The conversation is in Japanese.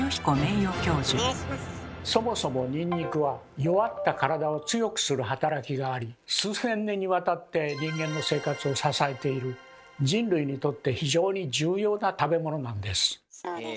そもそもニンニクは弱った体を強くする働きがあり数千年にわたって人間の生活を支えている人類にとって非常に重要な食べ物なんです。